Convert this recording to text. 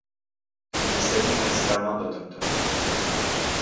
Il s'agit principalement d'autochtones.